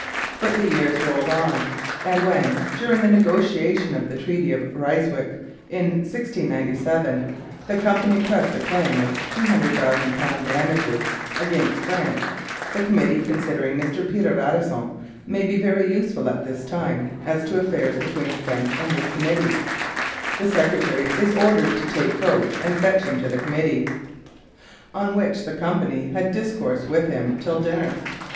But the years rolled on, and when, during the negotiation of the Treaty of Ryswick in 1697, the Company pressed a claim of £200,000 damages against France, 'the Committee considering Mr Peter Radisson may be very useful at this time, as to affairs between the French and this Co'y, the Sec. is ordered to take coach and fetch him to the Committee'; 'on wh. the Committee had discourse with him till dinner.'